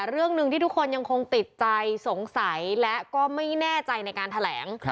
เรื่องหนึ่งที่ทุกคนยังคงติดใจสงสัยและก็ไม่แน่ใจในการแถลง